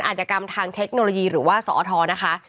อาจกรรมทางเทคโนโลยีหรือว่าสอทนะคะ